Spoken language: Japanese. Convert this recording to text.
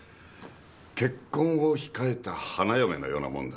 結婚を控えた花嫁のようなもんだ。